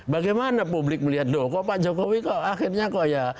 bagaimana publik melihat loh kok pak jokowi kok akhirnya kok ya